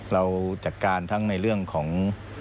เราจัดการทั้งในเรื่องของ